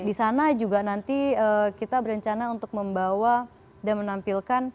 di sana juga nanti kita berencana untuk membawa dan menampilkan